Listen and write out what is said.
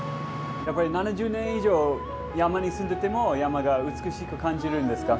やっぱり７０年以上山に住んでても山が美しく感じるんですか？